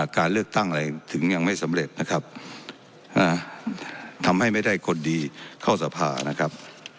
การเลือกตั้งอะไรถึงยังไม่สำเร็จนะครับทำให้ไม่ได้คนดีเข้าสภานะครับ